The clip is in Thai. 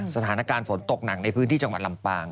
สถานการณ์ฝนตกหนักในพื้นที่จังหวัดลำปาง